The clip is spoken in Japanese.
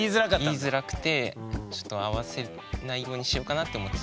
言いづらくてちょっと会わせないようにしようかなって思ってたんですけど。